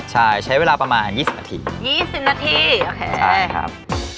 ใช่ใช้เวลาประมาณยี่สิบนาทียี่สิบนาทีโอเคใช่ครับ